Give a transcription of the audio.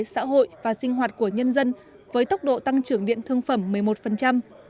xã hội và sinh hoạt của nhân dân với tốc độ tăng trưởng điện thương phẩm một mươi một